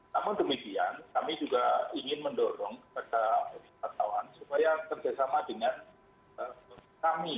namun demikian kami juga ingin mendorong kepada wisatawan supaya kerjasama dengan kami